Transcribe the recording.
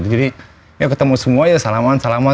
jadi ketemu semuanya salamuan salamuan